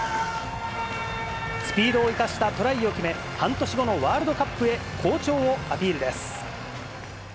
スピードを生かしたトライを決め、半年後のワールドカップへ、好調をアピールです。